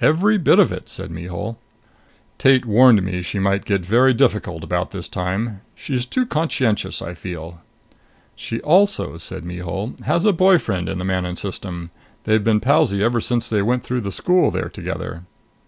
"Every bit of it," said Mihul. "Tate warned me she might get very difficult about this time. She's too conscientious, I feel." "She also," said Mihul, "has a boy friend in the Manon System. They've been palsy ever since they went through the school here together."